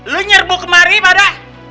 lu nyerbu kemari pada